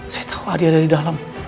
saya tahu dia ada di dalam